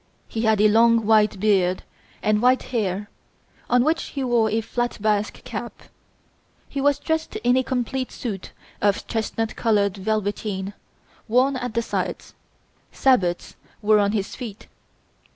He had a long white beard and white hair, on which he wore a flat Basque cap. He was dressed in a complete suit of chestnut coloured velveteen, worn at the sides; sabots were on his feet.